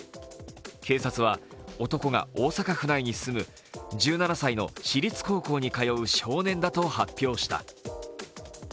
警察は男が大阪府内に住む１７歳の私立高校に通う少年だと発表した。